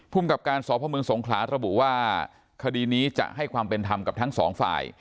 กับการสพเมืองสงขลาระบุว่าคดีนี้จะให้ความเป็นธรรมกับทั้งสองฝ่าย